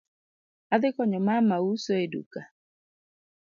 Adhi konyo mama uso e duka